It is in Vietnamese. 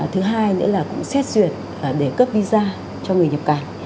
thứ hai nữa là cũng xét duyệt để cấp visa cho người nhập cảnh